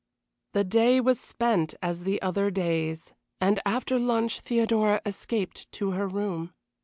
The day was spent as the other days, and after lunch Theodora escaped to her room.